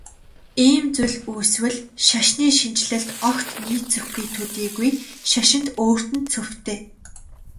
Ийм зүйл үүсвэл шашны шинэчлэлд огт нийцэхгүй төдийгүй шашинд өөрт нь цөвтэй.